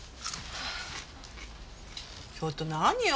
ちょっと何よ？